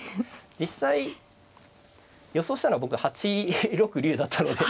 実際予想したのは僕８六竜だったので。